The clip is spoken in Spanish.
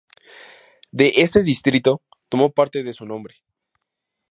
De este distrito tomó parte de su nombre.